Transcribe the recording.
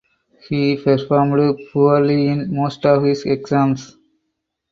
He performed poorly in most of his exams.